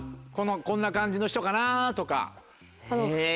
こんな感じの人かな？とか。